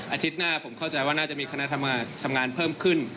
อาทิตย์หน้าผมเข้าใจว่าน่าจะมีคณะทำงานเพิ่มขึ้น